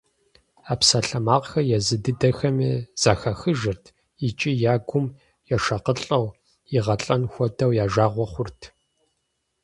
А псалъэмакъхэр езы дыдэхэми зэхахыжырт икӀи я гум ешыкъылӀэу, игъэлӀэн хуэдэу я жагъуэ хъурт.